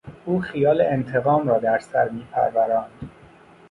او خیال انتقام را در سر میپروراند.